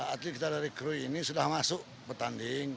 atlet kita dari krui ini sudah masuk pertanding